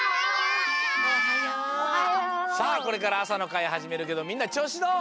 さあこれからあさのかいはじめるけどみんなちょうしどう？